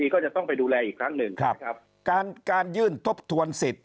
ก็จะต้องไปดูแลอีกครั้งหนึ่งนะครับการการยื่นทบทวนสิทธิ